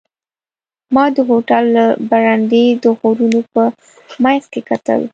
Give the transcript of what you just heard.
ما د هوټل له برنډې د غرونو په منځ کې کتل.